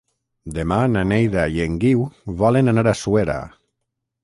Demà na Neida i en Guiu volen anar a Suera.